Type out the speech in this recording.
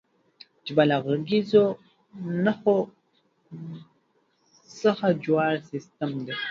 ژبه له غږیزو نښو څخه جوړ سیستم دی.